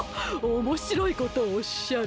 おもしろいことをおっしゃる。